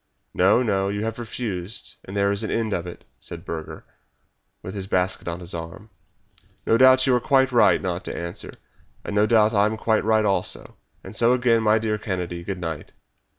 "No, no; you have refused, and there is an end of it," said Burger, with his basket on his arm. "No doubt you are quite right not to answer, and no doubt I am quite right also and so again, my dear Kennedy, good night!"